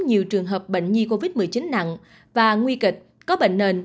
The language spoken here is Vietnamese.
nhiều trường hợp bệnh nhi covid một mươi chín nặng và nguy kịch có bệnh nền